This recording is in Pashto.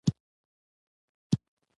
د تاریخي میتود پر قالب پېښې بیانوي.